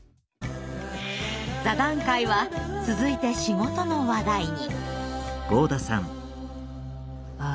座談会は続いて仕事の話題に。